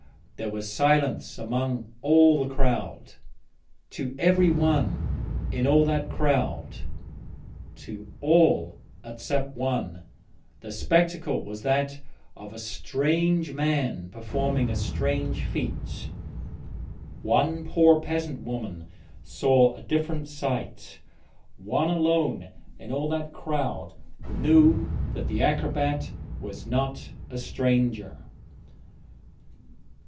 There was silence among all the crowd. To every one in all that crowd to all except one the spectacle was that of a strange man performing a strange feat; one poor woman present saw a different sight, one alone in all that crowd knew that the acrobat was not a stranger.